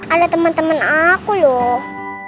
ada teman teman aku loh